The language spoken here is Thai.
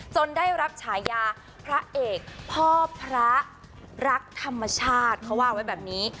ได้รับฉายาพระเอกพ่อพระรักธรรมชาติเขาว่าไว้แบบนี้